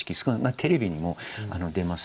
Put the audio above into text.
テレビにも出ます。